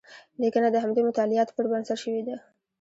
لیکنه د همدې مطالعاتو پر بنسټ شوې ده.